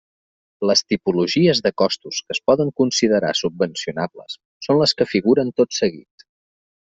Les tipologies de costos que es poden considerar subvencionables són les que figuren tot seguit.